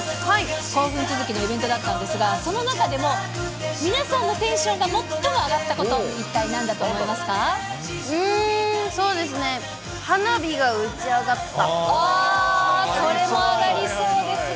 興奮続きのイベントだったんですが、その中でも皆さんのテンションが最も上がったこと、一体なんだとうーん、そうですね。